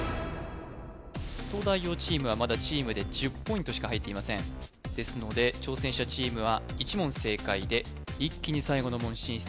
東大王チームはまだチームで１０ポイントしか入っていませんですので挑戦者チームは１問正解で一気に最後の門進出